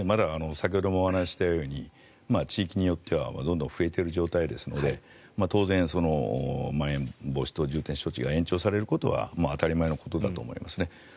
先ほどもお話ししたように地域によってはどんどん増えている状態ですので当然、まん延防止等重点措置が延長されることは当たり前のことだと思いますね。